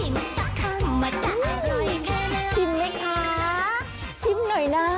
มามาลองซักครั้งมามาชิมซักครั้งมาจะอร่อยแค่นั้น